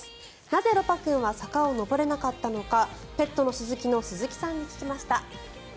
なぜ、ロパくんは坂を上れなかったのかペットのすずきの鈴木さんに聞きました。